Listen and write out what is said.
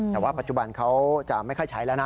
แต่ว่าปัจจุบันเขาจะไม่ค่อยใช้แล้วนะ